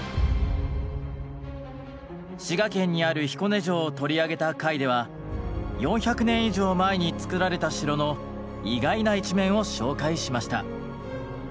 滋賀県にある彦根城を取り上げた回では４００年以上前に造られた城の意外な一面を紹介しました。